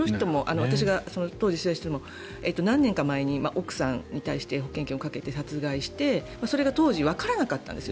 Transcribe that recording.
私が当時取材していた人も何年か前に奥さんに対して保険金をかけて殺害してそれが当時、わからなかったんです。